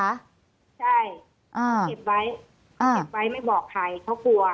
ใช่เขาเก็บไว้ไม่บอกใครเขากลัว